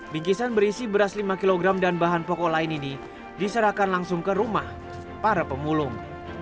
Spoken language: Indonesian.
bingkisan berisi beras lima kg dan bahan pokok lain ini diserahkan langsung ke rumah para pemulung